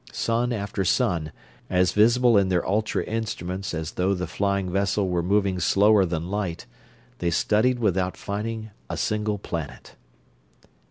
Sun after sun, as visible in their ultra instruments as though the flying vessel were moving slower than light, they studied without finding a single planet.